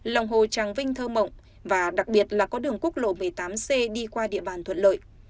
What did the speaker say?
lòng hồ tràng vinh thơ mộng và đặc biệt là có đường quốc lộ một mươi tám c đi qua địa bàn thuận lợi